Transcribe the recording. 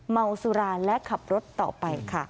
เมาสุราและขับรถต่อไปค่ะ